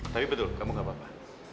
tapi betul kamu gak apa apa